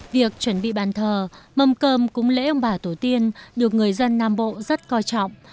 việc chuẩn bị bàn thờ mâm cơm cúng lễ ông bà tổ tiên được người dân nam bộ rất coi trọng